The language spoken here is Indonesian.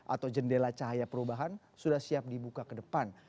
atau jendela cahaya perubahan sudah siap dibuka ke depan